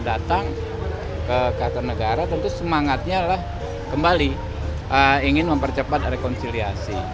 datang ke kertanegara tentu semangatnya lah kembali ingin mempercepat rekonsiliasi